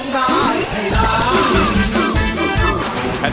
คือร้องได้ให้ร้อง